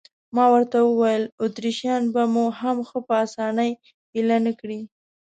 ما ورته وویل: اتریشیان به مو هم ښه په اسانۍ اېله نه کړي.